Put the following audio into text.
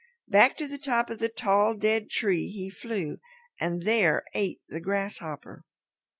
Back to the top of the tall, dead tree he flew and there ate the grasshopper.